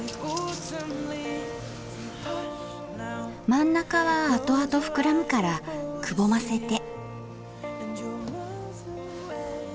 真ん中はあとあと膨らむからくぼませて。